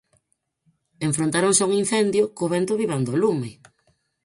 Enfrontáronse a un incendio, co vento avivando o lume.